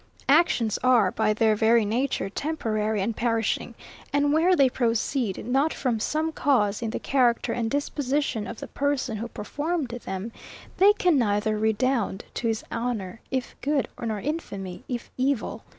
Actions are, by their very nature, temporary and perishing; and where they proceed not from some cause in the character and disposition of the person who performed them, they can neither redound to his honour, if good; nor infamy, if evil.